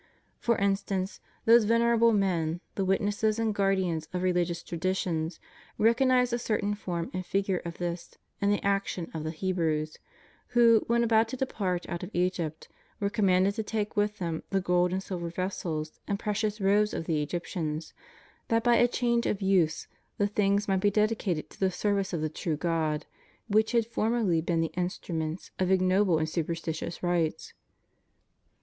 For instance, those venerable men, the witnesses and guardians of religious traditions, recognize a certain form and figure of this in the action of the He brews, who, when about to depart out of Egypt, were commanded to take with them the gold and silver vessels and precious robes of the Egyptians, that by a change of use thte things might be dedicated to the service of the true God which had formerly been the instruments of ignoble and superstitious rites.